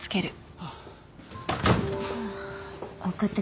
あっ！